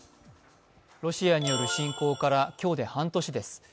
ロシアによる侵攻から今日で半年です。